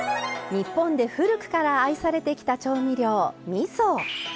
日本で古くから愛されてきた調味料みそ。